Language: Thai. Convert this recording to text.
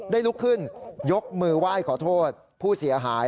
ลุกขึ้นยกมือไหว้ขอโทษผู้เสียหาย